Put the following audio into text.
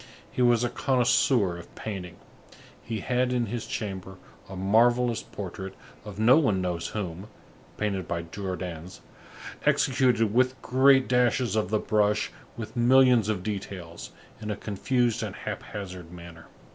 He was a connoisseur of painting. He had in his chamber a marvellous portrait of no one knows whom, painted by Jordaens, executed with great dashes of the brush, with millions of details, in a confused and hap hazard manner.